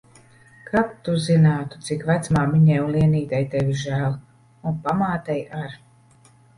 Kad tu zinātu, cik vecmāmiņai un Lienītei tevis žēl. Un pamātei ar.